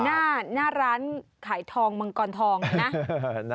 อยู่หน้าร้านขายทองเมืองกอนทองนะ